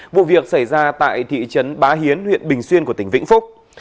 vụ việc xảy ra tại thị trấn bá hiến huyện bình xuyên của tỉnh vĩnh phúc